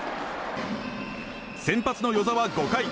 先発の與座は５回。